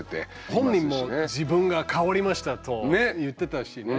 本人も自分が変わりましたと言ってたしね。